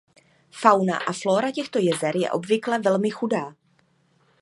Fauna a flóra těchto jezer je obvykle velmi chudá.